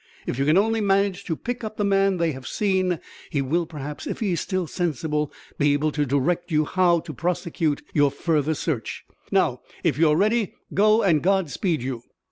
If you can only manage to pick up the man they have seen, he will, perhaps, if he is still sensible, be able to direct you how to prosecute your further search. Now, if you are ready, go; and God speed you."